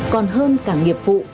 còn hơn cả nghiệp vụ